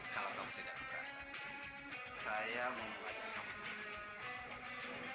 kalau kamu tidak berkata saya mau mengajar kamu di spesial